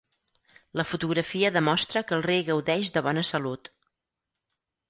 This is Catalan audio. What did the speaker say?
La fotografia demostra que el rei gaudeix de bona salut.